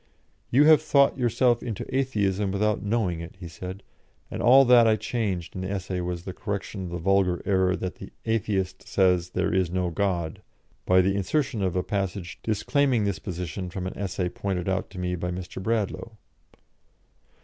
"You have thought yourself into Atheism without knowing it," he said, and all that I changed in the essay was the correction of the vulgar error that the Atheist says "there is no God," by the insertion of a passage disclaiming this position from an essay pointed out to me by Mr. Bradlaugh.